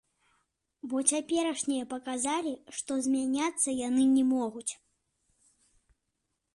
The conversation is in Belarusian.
Бо цяперашнія паказалі, што змяняцца яны не могуць.